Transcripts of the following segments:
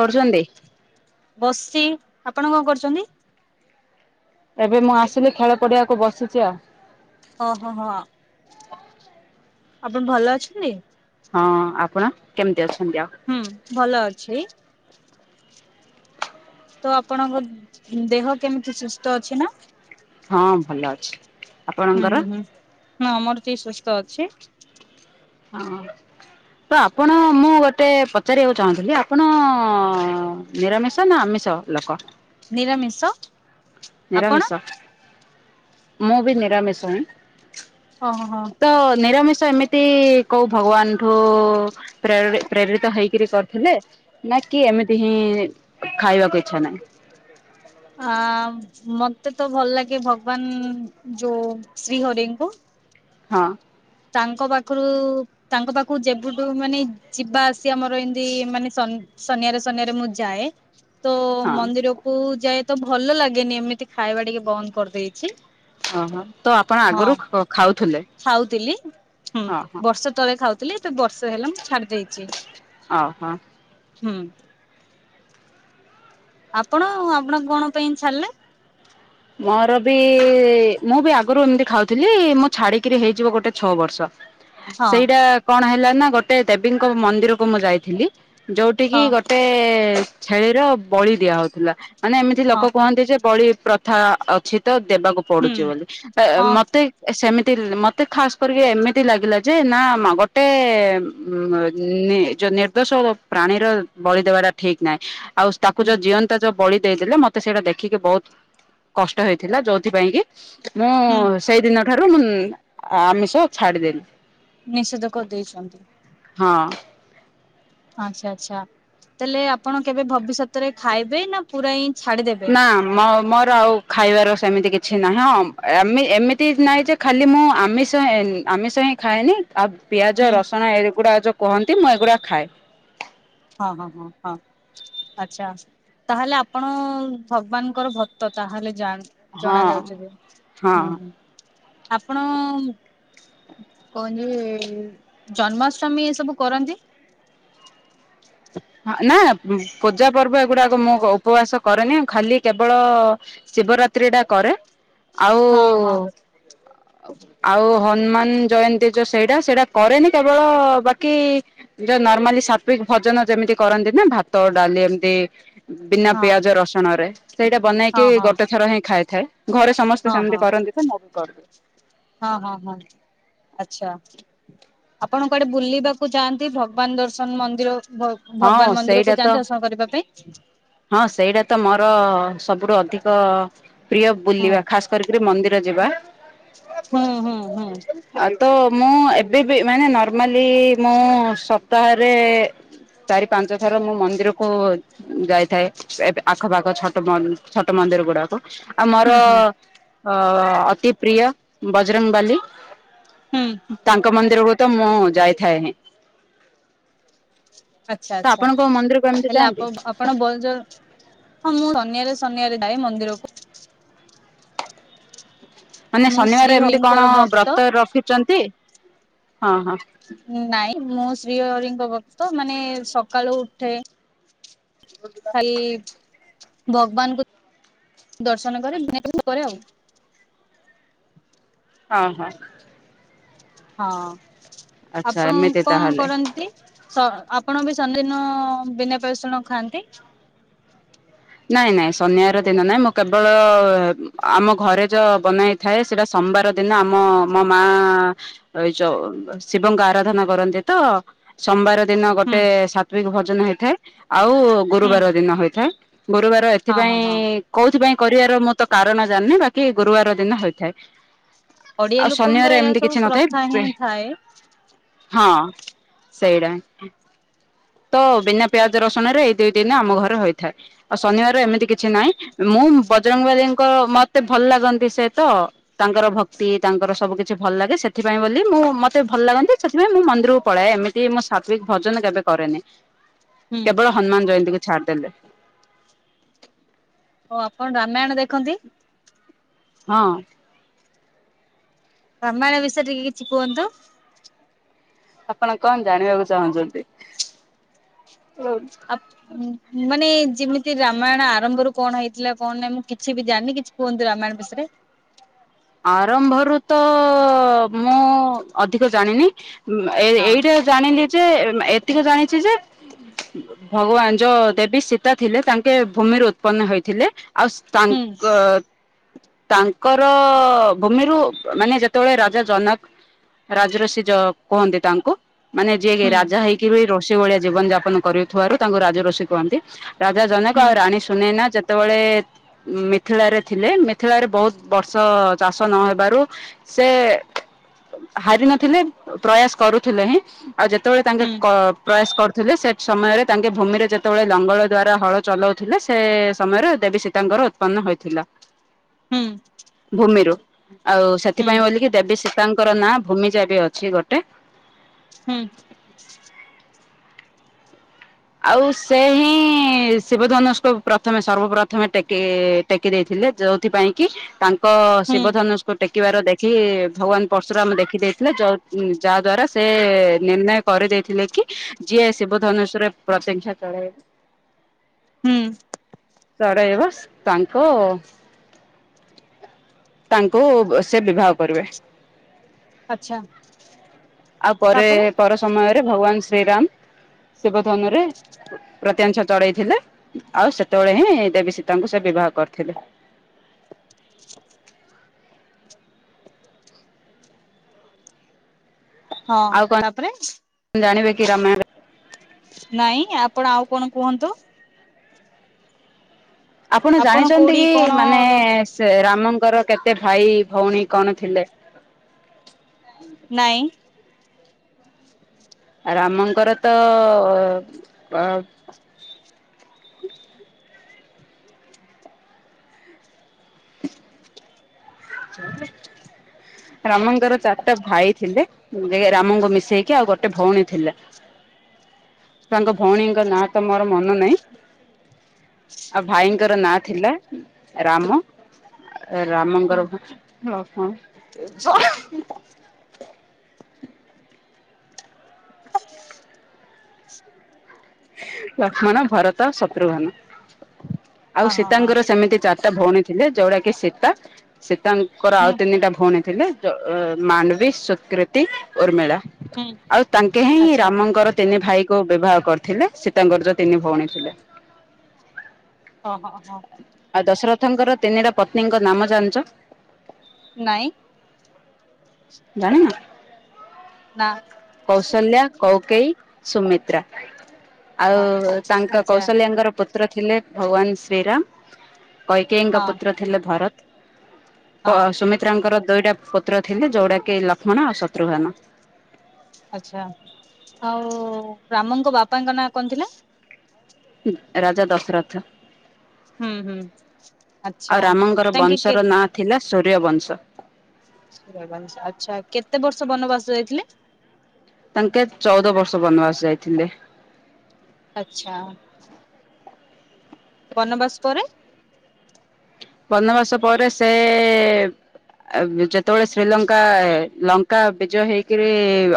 କରୁଛନ୍ତି ବସିଚି। ଆପଣ କଣ କରୁଚନ୍ତି? ଏବେ ମୁଁ ଆସିଲି ଖେଳ ପଡିଆକୁ ବସିଛି ଆଉ। ଓ ହୋ ହା ଆପଣ ଭଲ ଅଛନ୍ତି? ହଁ ଆପଣ କେମିତି ଅଛନ୍ତି ଆଉ? ହୁଁ ଭଲ ଅଛି। ତ ଆପଣଙ୍କ ଦେହ କେମିତି ସୁସ୍ଥ ଅଛି ନା? ହଁ ଭଲ ଅଛି। ହୁଁ ଆପଣଙ୍କର? ହୁଁ ହୁଁ ଆମର ଟିକେ ସୁସ୍ଥ ଅଛି। ହଁ। ତ ଆପଣ ମୁଁ ଗୋଟେ ପଚାରିବାକୁ ଚାହୁଁଥିଲି ଆପଣ ନିରାମିଷ ନା ଆମିଷ ଲୋକ? ନିରାମିଷ। ଆପଣ? ନିରାମିଷ ମୁଁ ବି ନିରାମିଷ ଇଁ। ଓହୋ ହଁ। ତ ନିରାମିଷ ଏମିତି କୋଉ ଭଗବାନଠୁ ପ୍ରେ ପ୍ରେରିତ ହେଇକିରି କରିଥିଲେ ନା କି ଏମିତି ହିଁ, ଖାଇବାକୁ ଇଚ୍ଛା ନା। ମତେ ତ ଭଲ୍ ଲାଗେ, ଭଗ୍ବାନ୍ ଯଉ ଶ୍ରୀ ହରିଙ୍କୁ। ହଁ! ତାଙ୍କ ପାଖ୍ରୁ ତାଙ୍କ ପା--କୁ ଯେ---ଠୁ ମାନେ, ଯିବା ଆସିବା ମର ଏ--ତି ମାନେ ଶନିଆ ରେ ଶନିଆ ରେ ମୁଁ ଯାଏ। ତୋ ହଁ। ମନ୍ଦିର କୁ ଯାଏ ତ ଭଲ ଲାଗେନି, ଏମିତି ଖାଇବା ଟିକେ ବନ୍ଦ୍ କର୍ ଦେଇଚି। ହଁ ହଁ, ତ ଆପଣ ଆଗରୁ ଖାଉ ଥୁଲେ। ଖାଉଥିଲି ହୁଁ ବର୍ଷ ତଳେ ଖାଉଥିଲି, ବର୍ଷ ହେଲା ମୁଁ ଛାଡ୍‌ ଦେଇଚି। [inaudible] ହୁଁ। ଆପଣ ଆପଣ କ'ଣ ପାଇଁ ଛାଡ୍‌ଲେ? ମର ବି ମୁଁ ବି ଆଗରୁ ଏମ୍ତି ଖାଉଥିଲି, ମୁଁ ଛାଡ଼ି କିରି ହେଇଯିବ, ଗୋଟେ ଛଅ ବର୍ଷ। ହଁ ସେଇଟା କ'ଣ ହେଲା ନା, ଗୋଟେ ଦେବୀଙ୍କ ମନ୍ଦିରକୁ ମୁଁ ଯାଇଥିଲି। ଯଉଠିକିି ହଁ ଗୋଟେ ଛେଳିର ବଳି ଦିଆ ହଉଥିଲା। ମାନେ ଏମିତି ଲୋକ ହଁ କୁହନ୍ତି ଯେ, ବଳି ପ୍ରଥା ଅଛି ତ ଦେବାକୁ ପଡୁଚି ହୁଁ ବଲି। ହଁ ମତେ ସେମିତି ମତେ ଖାସ୍‌ କରିକି, ଏମିତି ଲାଗିଲା ଯେ। ନା ଗୋଟେ ଯଉ ନିର୍ଦ୍ଦୋଷ ପ୍ରାଣୀର ବଳି ଦେବାଟା ଠିକ୍ ନାହଁ। ଆଉ ତାକୁ ହୁଁ ଯଉ ଜିଅନ୍ତା ଉ ବଳି ଦେଇ ଦେଲେ, ମତେ ସେଇଟା ଦେଖିକି। ବଉ କଷ୍ଟ ହେଇଥିଲା। ଯଉଥି ପାଇଁ କି ମୁଁ ହୁଁ ସେଇ ଦିନ ଠାରୁ ଆମିଷ ଛାଡ଼ି ଦେଲି। ନିଷେଦ କର୍ ଦେଇଚନ୍ତି। ହଁ! ତା---ଲେ ଆପଣ କେବେ ଭବିଷତରେ ଖାଇବେ [inaudible] [inaudible] ଖାଇବାର ସେମିତି କିଛି ନା। ହଁ ଏମିତି ନାହିଁ ଯେ ଖାଲି ମୁଁ ଖାଏନି, ହୁଁ ପିଆଜ, ରସୁଣ ଏଗୁଡ଼ା ଯ କୁହନ୍ତି, ମୁଁ ଏଗୁଡ଼ା ଖାଏ। [inaudible] ଆଚ୍ଛା, ତା'ହେଲେ ଆପଣ ଭଗ୍ବାନ୍ ଙ୍କର ଭକ୍ତ। ତା'ହେଲେ ଜା ହଁ ହଁ [inaudible] ଯେ ଜନ୍ମାଷ୍ଟମୀ ଏସବୁ କରନ୍ତି। ନା ପୂଜା ପର୍ବ ଏ ଗୁଡ଼ାକ ମୁଁ ଉପବାସ କରେନି। ଖାଲି କେବଳ ଶିବ ରାତ୍ରିଟା କରେ। ଆଉ ହଁ ହଁ ଆଉ ହନ୍‌ମାନ୍‌ ଜୟନ୍ତୀ ଯଉ ସେଇଟା, ସେଇଟା କରେନି। କେବଳ ବାକି ଯଉ ନର୍ମାଲି ସାତ୍ଵିକ୍ ଭଜନ। ଯେମିତି କରନ୍ତି ନା ଭାତ, ଡ଼ାଲି ଏମ୍ତି ବିନା ପିଆଜ ରସଣରେ। ସେଇଟା ବନେଇକି ହଁ ହଁ ଗୋଟେ ଥର ହିଁ ଖାଇଥାଏ। ଘରେ ହଁ ସମସ୍ତେ ହଁ ସେମ୍ତି ହଁ କରନ୍ତି ତ, ମୁଁ ବି କର୍ ଦିଏ। ହଁ ହଁ ହଁ, ଆଚ୍ଛା। ଆପଣ କୁଆଡ଼େ ବୁଲିବାକୁ ଯାଆନ୍ତି? ଭଗବାନ୍‌ ଦର୍ଶନ୍‌ ମନ୍ଦିର। ହଁ ଭଗବାନ୍‌ ସେଇଟା ମନ୍ଦିରକୁ ତ ଯାଆନ୍ତି, ର୍ଶନ କରିବା ପାଇଁ। ହଁ, ସେଇଟା ତ ମର ସବୁଠୁ ଅଧିକ ପ୍ରିୟ ହୁଁ ବୁଲିବା। ଖାସ୍ କରି, କିରି ମନ୍ଦିର ଯିବା। ହୁଁ ହୁଁ ହୁଁ। ଆଉ ତ ମୁଁ ଏବେ ବି, ମାନେ ନର୍ମାଲି ମୁଁ ସପ୍ତାହରେ ଚାରି ପାଞ୍ଚ ଥର ମୁଁ ମନ୍ଦିରକୁ ଯାଇଥାଏ, ଆଖ ପାଖ ଛଟ ମନ୍ଦିର ଗୁଡ଼ାକ। ଆଉ ହୁଁ ମର ହୁଁ ଅତି ପ୍ରିୟ ବଜରଙ୍ଗ୍ ବାଲି। ହୁଁ ତାଙ୍କ ମନ୍ଦିରକୁ ତ ମୁଁ ଯାଇଥାଏ ହିଁ। ତ ଆପଣ କୋଉ ମନ୍ଦିରକୁ ଏମିତି ଯାଆନ୍ତି? [inaudible] ଆପଣ ବଲ୍ ଜର୍ ହଁ ମୁଁ ଶନିବାର ଶନିବାର ଯାଏ ମନ୍ଦିରକୁ। ମାନେ ମୁଁ ଶ୍ରୀ ଶନିବାରେ ଏମିତି ହରିଙ୍କର କଣ ଭକ୍ତ ବ୍ରତ ରଖିଚନ୍ତି ହଁ ହଁ। ନାଇଁ ମୁଁ ଶ୍ରୀହରିଙ୍କ ଭକ୍ତ ମାନେ ସକାଳୁ ଉଠେ। ଖାଲି ଭଗବାନ୍ ଙ୍କୁ ଦର୍ଶନ କରେ ବୁଲା ବୁଲି କରେ ଆଉ। ହଁ ହଁ। ହଁ ଆଚ୍ଛା ଆପଣ ଏମିତି କଣ ତାହେଲେ। କରନ୍ତି। ତ ଆପଣ ବି ଶନିବାର ଦିନ ବିନା ପିଆଜ ରସୁଣ ଖାଆନ୍ତି। ନାଇଁ ନାଇଁ ଶନିବାର ଦିନ ନାଇଁ ମୁଁ କେବଳ ଆମ ଘରେ ଯ ବନା ହେଇ ଥାଏ ସେଟା ସୋମବାର ଦିନ ଆମ ମୋ ମାଆ ଏଇ ଯୋଉ ଶିବଙ୍କ ଆରାଧନା କରନ୍ତି ତ ସୋମବାର ଦିନ ହୁଁ ଗୋଟେ ସାଟ୍ରିକ୍ ଭୋଜନ ହେଇଥାଏ ଆଉ ହୁଁ ଗୁରୁବାର ଦିନ ହେଇଥାଏ ଗୁରୁବାର ଏ ହଁ ହଁ ସେଥିପାଇଁ ହଁ କୋଉଥିପାଇଁ କରିବାର ମୁଁ ତ କାରଣ ଜାଣିନେଇ ବାକି ଗୁରୁବାର ଦିନ ହେଇଥାଏ। ଓଡିଆ ଆଉ ଲୋକଙ୍କର ଶନିବାର ଏହା ଏମିତି ସବୁ କିଛି ନଥାଏ। ପ୍ରଥା ହିଁ ଥାଏ। ହଁ ସେଇଟା। ତ ବିନା ପିଆଜ ରସୁଣ ରେ ଏଇ ଦୁଇ ଦିନି ଆମ ଘରେ ହୋଇଥାଏ। ଆଉ ଶନିବାର ଏମିତି କିଛି ନାହିଁ ମୁଁ ବଜରଙ୍ଗବାଲୀଙ୍କ ମତେ ଭଲ ଲାଗନ୍ତି ସେ ତ। ତାଙ୍କର ଭକ୍ତି ତାଙ୍କର ସବୁ କିଛି ଭଲ୍ ଲାଗେ ସେଥିପାଇଁ ବୋଲି ମୁଁ ମତେ ଭଲ୍ ଲାଗନ୍ତି ସେଥିପାଇଁ ମୁଁ ମନ୍ଦିରକୁ ପଳାଏ ଏମିତି ତି ମୁଁ ସତ୍ୱଇକି ଭଜନ କେବେ କରେନି ହୁଁ କେବଳ ହନୁମାନ ଜୟନ୍ତୀ କୁ ଛାଡିଦେଲେ। ଓ ଆପଣ ରାମାୟଣ ଦେଖନ୍ତି। ହଁ। ରାମାୟଣ ବିଷୟରେ ଟିକେ କିଛି କୁଅନ୍ତୁ। ଆପଣ କଣ ଜାଣିବାକୁ ଚାହୁଁଛନ୍ତି। ମାନେ ଯିମିତି ରାମାୟଣ ଆରମ୍ଭରୁ କଣ ହେଇଥିଲା କଣ ନାହିଁ ମୁଁ କିଛି ବି ଜାଣିନି କିଛି କୁହନ୍ତୁ ରାମାୟଣ ବିଷୟରେ। ଆରମ୍ଭରୁ ତ ମୁଁ ଅଧିକ ଜାଣିନି। ହଁ ଏଇଟା ଜାଣିଲି ଯେ ଯେ ଏତିକି ଜାଣିଛି ଯେ। ଭଗବାନ ଯ ଦେବୀ ସୀତା ଥିଲେ ତାଙ୍କେ ଭୂମିରୁ ଉତ୍ପନ୍ନ ହେଇଥିଲେ ଆଉ ହୁଁ ତାଙ୍କ ତାଙ୍କର। ଓ ଭୂମିରୁ ମାନେ ଯେତେବେଳେ ରାଜା ଜନକ୍ ରାଜଋଷି କୁହନ୍ତି ତାଙ୍କୁ। ମାନେ ଯିଏ କି ହୁଁ ରାଜା ହେଇକିବି ରୁଷି ଭଳିଆ ଜୀବନ ଯାପନ କରଥିବାରୁ ତାଙ୍କୁ ରାଜ ରୁଷି କୁହନ୍ତି। ରାଜା ଜନକ ହୁଁ ଆଉ ରାଣୀ ସୁ ସୁନେନା ଯେତେବେଳେ ମିଥିଳାରେ ଥିଲେ ମିଥିଳାରେ ବହୁତ୍ ବର୍ଷ ଚାଷ ନହେବାରୁ ସେ ହାରି ନଥିଲେ ପ୍ରୟାସ କରୁଥିଲେ ହିଁ ଆଉ ଯେତେବେଳେ ତାଙ୍କେ ହୁଁ କ ପ୍ରୟାସ କରୁଥିଲେ ସେ ସମୟରେ ତାଙ୍କେ ଭୂମିରେ ଯେତେବେଳେ ଲଙ୍ଗଳ ଦ୍ଵାରା ହଳ ଚଲୋଉଥିଲେ ସେ ସମୟରେ ଦେବୀ ସୀ ସୀତାଙ୍କର ଉତ୍ପନ୍ନ ହୋଇଥିଲା ହୁଁ ଭୂମିରୁ। ଆଉ ହୁଁ ସେଥିପାଇଁ ବୋଲିକି ଦେବୀ ସୀତାଙ୍କର ନାଁ ଭୂମିଜା ବି ଅଛି ଗୋଟେ। ହୁଁ। ଆଉ ସେ ହିଁ ଶିବଧନୁଷ୍ଟକୁ ପ୍ରଥମେ ସର୍ବପ୍ରଥମେ ଟେକି ଟେକି ଦେଇଥିଲେ ଯୋଉଥିପାଇଁ କି ତାଙ୍କ ହୁଁ ଶିବଧନୁସ୍ ତ ଟେକିବାର ଦେଖି ଭଗବାନ୍ ପର୍ଶୁର ଦେଖିଦେଈଥିଲେ ଯ ଯାଆଦ୍ୱାରା ସେ ନିର୍ଣ୍ଣୟ କରି ଦେଇେଇଥିଲେ କି ଯିଏ ଶିବ ଧନୁଶ ପ୍ରତେଂଖ୍ୟା ତଳ ହୁଁ। [inaudible] ତାଙ୍କ। ତାଙ୍କୁ ସେ ବିବାହ କରିବେ। ଆଚ୍ଛା ଆଉ ପରେ ତାପରେ ପର ସମୟରେ ଭଗବାନ୍ ଶ୍ରୀରାମ। ସମୟରେ ପ୍ରତ୍ୟାଂଛତ। ଚଢେଇଥିଲେ ଆଉ ସେତେବେଳେ ହିଁ ଦେବୀ ସୀତାଙ୍କୁ ସେ ବିବାହ କରିଥିଲେ। ହଁ ତାପରେ। ଜାଣିବେକି ରାମାୟରେ ନାଇଁ ଆପଣ ଆଉ କଣ କୁହନ୍ତୁ। ଆପଣ ଜାଣିଛନ୍ତି କୋଉଠି କି କଣ ମାନେ ର ରାମଙ୍କର କେତେ ଭାଇ ଭଉଣୀ କଣ ଥିଲେ? ନାଇଁ। ରାମଙ୍କର ତ ଅ ରାମଙ୍କର ଚାରିଟା ଭାଇ ଥିଲେ। ରାମଙ୍କୁ ମିଶେଇକି ଆଉ ଗୋଟେ ଭଉଣୀ ଥିଲା ତାଙ୍କ ଭଉଣୀଙ୍କ ନାଁ ତ ମୋର ମନ ନାହିଁ ଆଉ ଭାଇଙ୍କର ନାଁ ଥିଲା ରାମ ହଁ ରାମଙ୍କର ଲକ୍ଷ୍ମଣ, ଭରତ, ଶତ୍ରୁଘ୍ନ ଆଉ ହଁ ହଁ ସୀତାଙ୍କର ସେମିତି ଚାରି ଟା ଭଉଣୀ ଥିଲେ ଯୋଉଟା କିି ସୀତା ସୀତାଙ୍କର ହୁଁ ଆଉ ତିନିଟା ଭଉଣୀ ଥିଲେ ଥିଲେ ମାଣ୍ଡବୀ, ସକୃତି, ଉର୍ମିଳା। ହୁଁ ଆଉ ତାଙ୍କେ ହିଁ ଆଚ୍ଛା ରାମଙ୍କର ତିନି ଭାଇ କ ବିବାହ କରି ଥିଲେ ସୀତାଙ୍କର ଯୋଉ ତିନି ଭଉଣୀ ଥିଲେ। ଓହୋ ହଁ। ଆଉ ଦଶରଥଙ୍କର ତିନିଟା ପତ୍ନୀଙ୍କ ନାମ ଜାଣିଛ? ନାଇଁ। ଜାଣିନ? ନା। କୌଶଲ୍ୟା, କୌକେଇ, ସୁମିତ୍ରା। ଆଉ ହଁ ତାଙ୍କ ଆଚ୍ଛା କୌଶଲ୍ୟାଙ୍କର ପୁତ୍ର ଥିଲେ ଭଗବାନ ଶ୍ରୀରାମ। କୈକେୟୀଙ୍କ ହଁ ପୁତ୍ର ଥିଲେ ଭରତ ହଁ ସୁମି ତ୍ରାଙ୍କର ଦୁଇଟା ପୁତ୍ର ଥିଲେ ଯୋଉଟା କି ଲକ୍ଷ୍ମଣ ଆଉ ଶତ୍ରୁଘ୍ନ। ଆଚ୍ଛା ଆଉ ରାମଙ୍କ ବାପାଙ୍କ ନାଁ କଣ ଥିଲା? ରାଜା ଦଶରଥ। ହୁଁ ହୁଁ ଆଉ ଆଚ୍ଛା ରାମଙ୍କର ତାଙ୍କେ ବଂଶର କେ ନାଁ ଥିଲା ସୂର୍ଯ୍ୟବଂଶ। [unintelligible] ଆଚ୍ଛା କେତେ ବର୍ଷ ବନବାସ ଯାଇଥିଲେ? ତାଙ୍କେ ଚଉଦ ବର୍ଷ ବନବାସ ଯାଇଥିଲେ। ଆଚ୍ଛା। ବନବାସ ପରେ? ବନବାସ ପରେ ସେ ଯେତେବେଳେ ଶ୍ରୀଲଙ୍କା ଲଙ୍କା ବିଜୟ ହେଇକରି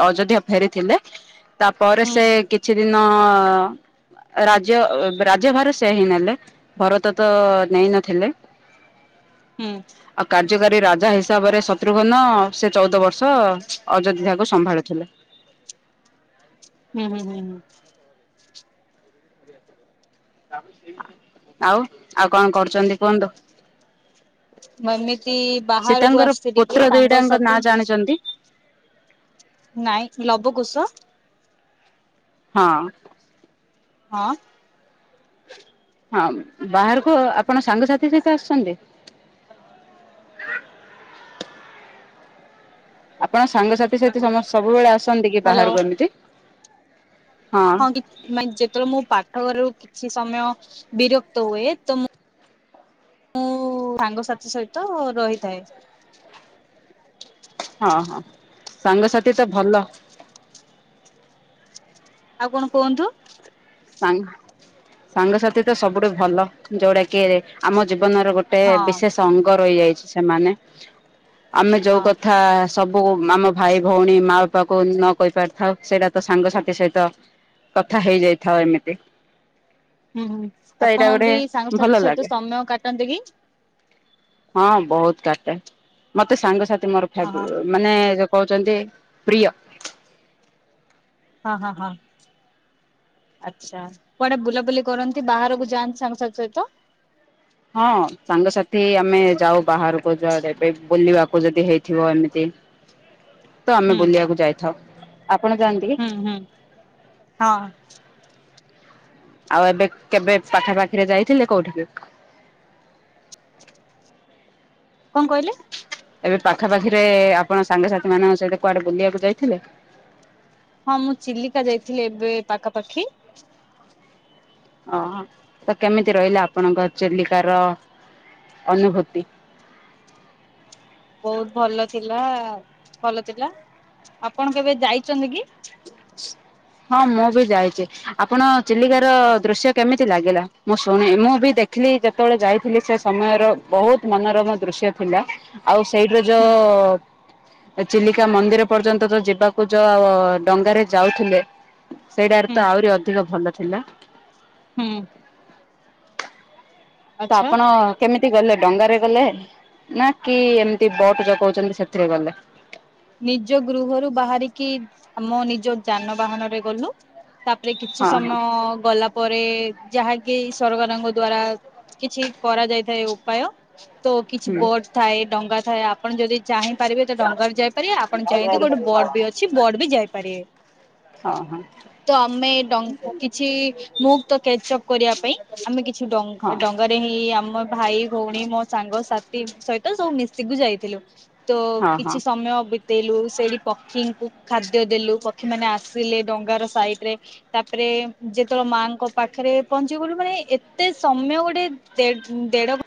ଅଯୋଧ୍ୟା ଫେରିଥିଲେ ତାପରେ ହୁଁ ସେ କିଛି ଦିନ ରାଜ୍ୟ ରାଜ୍ୟ ଭାର ସେ ହିଁ ନେଲେ ଭରତ ତ ନେଇ ନଥିଲେ ହୁଁ। ଆଉ କାର୍ଯ୍ୟକାରୀ ରାଜା ହିସାବରେ ଶତ୍ରୁଘ୍ନ ସେ ଚଉଦ ବର୍ଷ ଅଯୋଧ୍ୟାକୁ ସମ୍ଭାଳିଥିଲେ ହୁଁ ହୁଁ ହୁଁ ହୁଁ। ଆଉ ଆଉ କଣ କରୁଛନ୍ତି କୁହନ୍ତୁ? ମୁଁ ଏମିତି ସେ ବାହାରକୁ ତାଙ୍କର ଆସିଛି ଟିକେ ପୁତ୍ର ଦିଇଟାଙ୍କ ସାଙ୍ଗସାଥି ନାଁ ଜାଣିଛନ୍ତି ନାଇଁ ଲବ କୋଷ ହଁ। ହଁ। ହଁ ବାହାରକୁ ଆପଣ ସାଙ୍ଗସାଥି ସହିତ ଆସୁଛନ୍ତି। ଆପଣ ସାଙ୍ଗସାଥି ସାଥି ସମସ୍ତେ ସବୁବେଳେ ଆସନ୍ତି କି ହ୍ୟାଲୋ ବାହାରକୁ ଏମିତି ହଁ ମାନ ଯେତେବେଳେ ମୁଁ ପାଠଘରୁ କିଛି ସମୟ ବିରକ୍ତ ହୁଏ ତ ମୁଁ ମୁଁ ସାଙ୍ଗସାଥି ସହିତ ରହିଥାଏ। ହଁ ହଁ ସାଙ୍ଗସାଥି ତ ଭଲ ଆଉ କଣ କୁହନ୍ତୁ? ସା ସାଙ୍ଗସାଥି ତ ସବୁଠୁ ଭଲ ଯୋଉଟା କି ଆମ ଜୀବନର ଗୋଟେ ହଁ ଗୋଟେ ବିଶେଷ ଅଙ୍ଗ ରହିଯାଇଛି ସେମାନେ ଆମେ ଯୋଉ ହଁ କଥା ସବୁ ଆମ ଭାଇ ଭଉଣୀ ମା ବାପା କ ନ କହି ପାରିଥାଉ ସେଇଟା ତ ସାଙ୍ଗସାଥି ସହିତ କଥା ହେଇଯାଇଥାଉ ଏମିତି। ହୁଁ ହୁଁ ତ ଏଇଟା ଆପଣ ଗୋଟେ ବି ଭଲ ସାଙ୍ଗସାଥି ସହିତ ଲାଗେ। ସମୟ କାଟନ୍ତି କି? ହଁ ବହୁତ କାଟେ ମତେ ସାଙ୍ଗସାଥି ମୋର ହଁ ଫେବ ହଁ ମାନେ ଯଉ କହୁଛନ୍ତି ପ୍ରିୟ। ହଁ ହଁ ହଁ। ଆଚ୍ଛା କୁଆଡେ ବୁଲାବୁଲି କରନ୍ତି ବାହାରକୁ ଯାଆନ୍ତି ସାଙ୍ଗସାଥି ସହିତ? ହଁ ସାଙ୍ଗସାଥି ଆମେ ଯାଉ ବାହାରକୁ ଯ ଯବେ ବୁଲିବାକୁ ଯଦି ହେଇଥିବ ଏମିତି। ତ ଆମେ ହୁଁ ବୁଲିବାକୁ ଯାଇଥାଉ ଆପଣ ଜାଣ ହୁଁ ହୁଁ ହଁ। ଆଉ ଏବେ କେବେ ପାଖରେ ପାଖିରେ ଯାଇଥିଲେ କୋଉଠିକି? କଣ କହିଲେ? ଏବେ ପାଖାପାଖିରେ ଆପଣ ସାଙ୍ଗସାଥି ମାନଙ୍କ ସହିତ କୁଆଡେ ବୁଲିବାକୁ ଯାଇଥିଲେ? ହଁ ମୁଁ ଚିଲିକା ଯାଇଥିଲି ଏବେ ପାଖାପାଖି। ଓହଁ ତ କେମିତି ରହିଲା ଆପଣଙ୍କ ଚେଲିକାର ଅନୁଭୂତି? ବହୁତ ଭଲ ଥିଲା ଭଲ ଥିଲା ଆପଣ କେବେ ଯାଇଛନ୍ତି କି? ହ ହଁ ମୁଁ ବି ଯାଇଛି ଆପଣ ଚିଲିକାର ଦୃଶ୍ୟ କେମିତି ଲାଗିଲା ମୁଁ ଶୁଣ ମୁଁ ବି ଦେଖ ଦେଥିଲି ଯେତେବେଳେ ଯାଇଥିଲି ସେ ସମୟର ବହୁତ ମନୋରମ ଦୃଶ୍ୟ ଥିଲା। ଆଉ ସେଇଠରେ ହୁଁ ଯୋଉ ଚିଲିକା ମନ୍ଦିର ପର୍ଯ୍ୟନ୍ତ ଯୋଉ ଯିବାକୁ ଯୋଉ ଡଙ୍ଗାରେ ଯାଉଥିଲେ। ସେଇଟାରେ ହୁଁ ତ ଆହୁରି ଅଧିକ ଭଲ ଥିଲା। ହୁଁ। ତ ଆଚ୍ଛା ଆପଣ କେମିତି ଗଲେ ଡଙ୍ଗାରେ ଗଲେ ନା କି ଏମିତି ବଟ ଯ କଉଛନ୍ତି ସେଥିରେ ଗଲେ? ନିଜ ଗୃହରୁ ବାହାରିକି ଆମ ନିଜ ଯାନବାହାନ ରେ ଗଲୁ। ତାପରେ କିଛି ହଁ ହଁ ସମୟ ଗଲା ପରେ ଯାହାକି ସରକାରଙ୍କ ଦ୍ଵାରା କିଛି କରାଯାଇ ଥାଏ ଉପାୟ ତ କିଛି ହୁଁ। ବୋର୍ଡ ଥାଏ ଡଙ୍ଗା ଥାଏ ଆପଣ ଯଦି ଚାହିଁ ପାରିବେ ତ ଡଙ୍ଗାରେ ଯାଏ। ଆପଣ ଚାହିଁଲେ ଗୋଟେ ବଡ ବି ଅଛି ବୋଡ ବି ଯାଇପାରିବେ। ହଁ ହଁ। ତ ଆମେ ଡ଼ କିଛି ମୁକ୍ତ କଚ ଅପ୍ କରିବା ପାଇଁ ଆମେ କିଛି ଡ ହଁ ଡଙ୍ଗା ରେ ହିଁ ଆମ ଭାଇ ଭଉଣୀ ମୋ ସାଙ୍ଗ ସାଥି ସହିତ ସବୁ ମିଶିକି ଯାଇଥିଲୁ। ତ ହଁ ହଁ। କିଛି ସମୟ ବିତେଇଲୁ ସେଇଠି ପକ୍ଷୀଙ୍କୁ ଖାଦ୍ୟ ଦେଲୁ ପକ୍ଷୀ ମାନେ ଆସିଲେ ଡଙ୍ଗାର ସାଇଡ ରେ ତାପରେ ଯେତେବେଳେ ମାଙ୍କ ପାଖରେ ପହଞ୍ଚି ଗଲୁ ମାନେ ଏତେ ସମୟ ଗୋଟେ ଦେଢ ଦେଢ ଘ